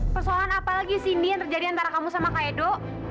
persoalan apa lagi sindi yang terjadi antara kamu sama kaido